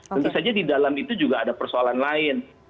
tentu saja di dalam itu juga ada persoalan lain